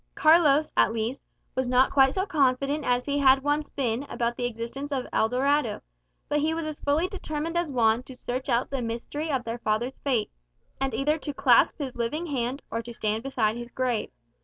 Carlos, at least, was not quite so confident as he had once been about the existence of El Dorado; but he was as fully determined as Juan to search out the mystery of their father's fate, and either to clasp his living hand, or to stand beside his grave.